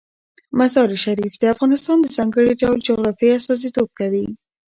مزارشریف د افغانستان د ځانګړي ډول جغرافیه استازیتوب کوي.